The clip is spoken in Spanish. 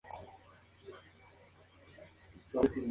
Ford aprobó el diseño y se estableció una fecha de inicio de obras.